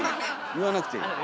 言わなくていい。